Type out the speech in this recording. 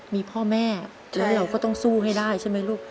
มีพ่อแม่แล้วเราก็ต้องสู้ให้ได้ใช่ไหมลูก